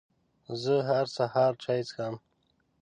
زه هر سهار چای څښم.